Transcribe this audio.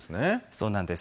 そうなんです。